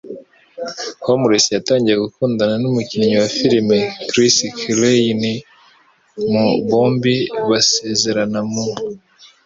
Holmes yatangiye gukundana n'umukinnyi wa filime Chris Klein mu , bombi basezerana mu .